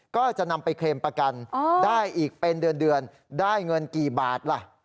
ก็จะนำไปเคลมประกันได้อีกเป็นเดือนได้เงินกี่บาทล่ะ